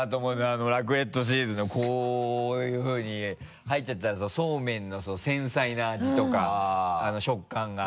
あのラクレットチーズのこういうふうに入っちゃったらそうめんの繊細な味とか食感が。